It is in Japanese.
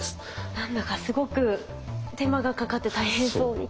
何だかすごく手間がかかって大変そうに聞こえます。